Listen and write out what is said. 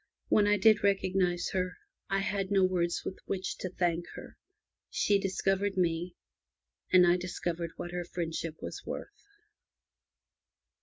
When I did recognize her, I had no words with which to thank her. She discovered me, and I discovered what her friendship was worth.